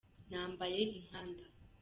nambaye inkanda.